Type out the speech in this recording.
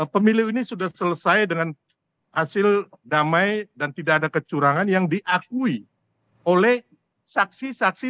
pemilu ini sudah selesai dengan hasil damai dan tidak ada kecurangan yang diakui oleh saksi saksi